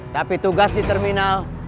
tapi tugas di terminal